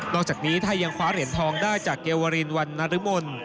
อกจากนี้ถ้ายังคว้าเหรียญทองได้จากเกวรินวันนรมน